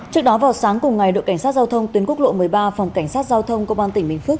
trước đó vào sáng cùng ngày đội cảnh sát giao thông tuyến quốc lộ một mươi ba phòng cảnh sát giao thông công an tỉnh bình phước